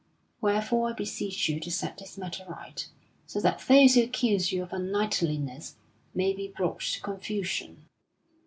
Wherefore I beseech you to set this matter right, so that those who accuse you of unknightliness may be brought to confusion."